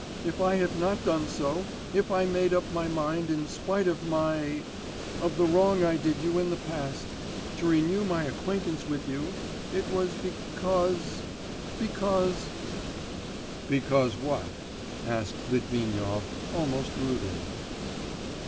If I have not done so, if I made up my mind, in spite of my ... of the wrong I did you in the past, to renew my acquaintance with you, it was because ... because ' 'Because what?' asked Litvinov, almost rudely.